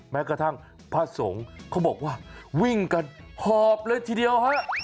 แม้กระทั่งพระสงฆ์เขาบอกว่าวิ่งกันหอบเลยทีเดียวฮะ